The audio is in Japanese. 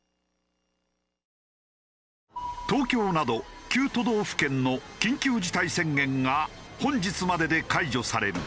東京など９都道府県の緊急事態宣言が本日までで解除される。